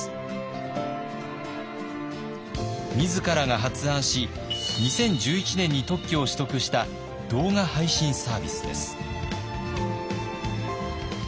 自らが発案し２０１１年に特許を取得した動画配信サービスです。